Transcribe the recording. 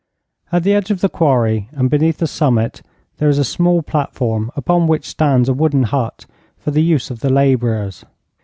At the edge of the quarry and beneath the summit there is a small platform upon which stands a wooden hut for the use of the labourers.